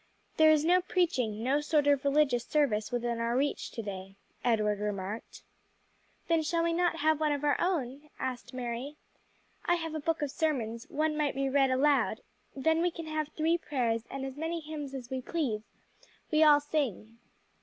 "There is no preaching, no sort of religious service within our reach to day," Edward remarked. "Then shall we not have one of our own?" asked Mary. "I have a book of sermons: one might be read aloud; then we can have three prayers and as many hymns as we please; we all sing."